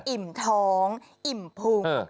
อิ่มท้องอิ่มพุง